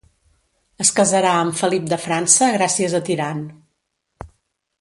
Es casarà amb Felip de França gràcies a Tirant.